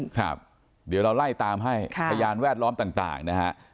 ครับเดี๋ยวเราไล่ตามให้พยานแวดล้อมต่างนะฮะ